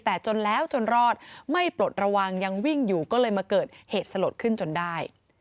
แต่จนแล้วจนรอดไม่ปลดระวังยังวิ่งอยู่ก็เลยมาเกิดเหตุสลดขึ้นจนได้